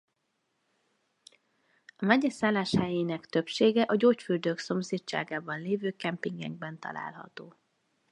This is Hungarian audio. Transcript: A megye szálláshelyeinek többsége a gyógyfürdők szomszédságában lévő kempingekben található.